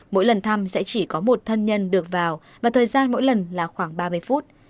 mỗi lần thăm sẽ chỉ có một thân nhân được vào và thời gian mỗi lần là khoảng ba mươi phút